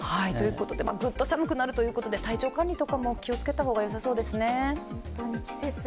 ぐっと寒くなるということで、体調管理とかも気をつけた方がよさそうですね。